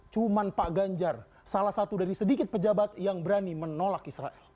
cuma pak ganjar salah satu dari sedikit pejabat yang berani menolak israel